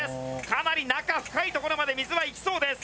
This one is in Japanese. かなり中深いところまで水はいきそうです。